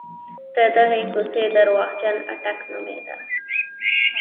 د دغې کوڅې درواغجن اټک نومېده.